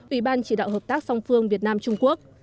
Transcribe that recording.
ủy ban chỉ đạo hợp tác song phương việt nam trung quốc